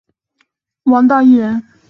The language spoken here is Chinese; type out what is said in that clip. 王道义人。